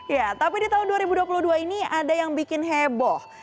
ya tapi di tahun dua ribu dua puluh dua ini ada yang bikin heboh